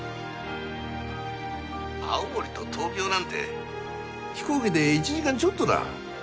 青森と東京なんて飛行機で１時間ちょっとだ。